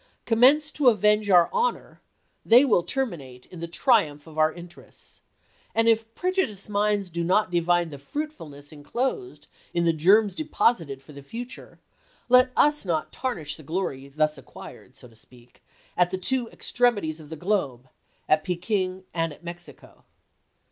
Commenced to avenge our honor, they will terminate in the triumph of our interests ; and if prejudiced minds do not divine the f ruitfulness inclosed in the germs deposited for the future, let us not tarnish the glory thus acquired, so to speak, at the two ex tremities of the globe — at Pekin and at Mexico."